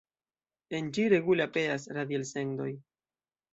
En ĝi regule aperas radi-elsendoj.